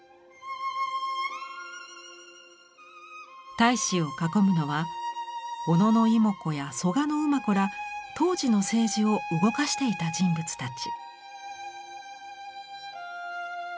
太子を囲むのは小野妹子や蘇我馬子ら当時の政治を動かしていた人物たち。